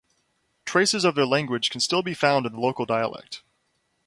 Traces of their language can be still found in the local dialect.